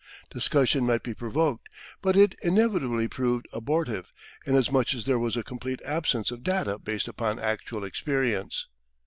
Discussion might be provoked, but it inevitably proved abortive, inasmuch as there was a complete absence of data based upon actual experience.